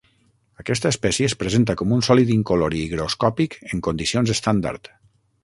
Aquesta espècie es presenta com un sòlid incolor i higroscòpic en condicions estàndard.